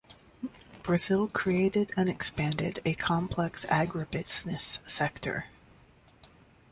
Brazil created and expanded a complex agribusiness sector.